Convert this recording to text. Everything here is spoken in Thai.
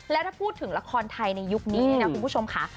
แล้วถ้าพูดถึงละครไทยในยุคนี้เนี่ยนะคุณผู้ชมค่ะ